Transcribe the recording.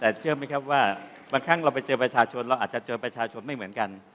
แต่เชื่อไหมครับว่าบางครั้งเราไปเจอประชาชนเราอาจจะเจอประชาชนไม่เหมือนกัน